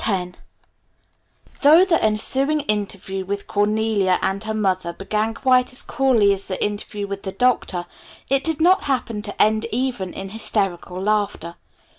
X Though the ensuing interview with Cornelia and her mother began quite as coolly as the interview with the Doctor, it did not happen to end even in hysterical laughter.